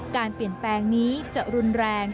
การเปลี่ยนแปลงนี้จะรุนแรง